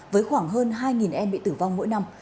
với khoảng hơn hai em bị tử vong mỗi năm